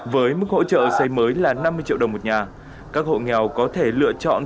với mức hỗ trợ xây mới là năm mươi triệu đồng một nhà các hộ nghèo có thể lựa chọn